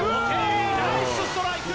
ナイスストライク！